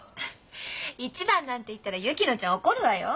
一番なんて言ったら薫乃ちゃん怒るわよ。